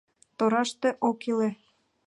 Тораште ок иле.